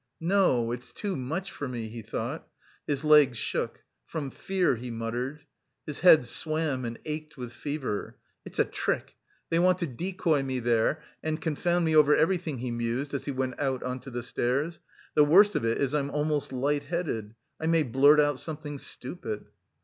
"No, it's too much for me..." he thought. His legs shook. "From fear," he muttered. His head swam and ached with fever. "It's a trick! They want to decoy me there and confound me over everything," he mused, as he went out on to the stairs "the worst of it is I'm almost light headed... I may blurt out something stupid..."